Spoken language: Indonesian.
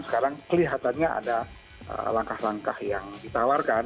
sekarang kelihatannya ada langkah langkah yang ditawarkan